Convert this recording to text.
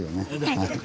はい。